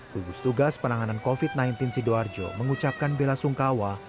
gugus tugas penanganan covid sembilan belas sidoarjo mengucapkan bela sungkawa